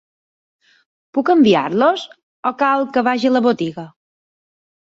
Puc enviar-los o cal que vagi a la botiga?